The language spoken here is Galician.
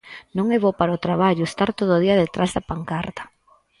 Non é bo para o traballo estar todo o día detrás da pancarta.